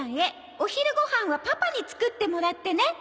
「お昼ご飯はパパに作ってもらってね」